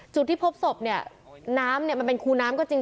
จุดที่พบศพเนี่ยน้ำเนี่ยมันเป็นคูน้ำก็จริง